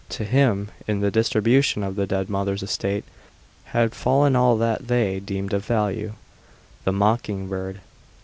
To him, in the distribution of the dead mother's estate, had fallen all that they deemed of value the mocking bird.